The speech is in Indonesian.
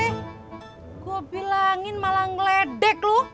gue bilangin malah ngeledek lu